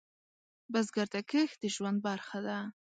بزګر ته کښت د ژوند برخه ده